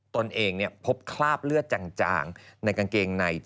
ตนเองพบคราบเลือดจางในกางเกงใน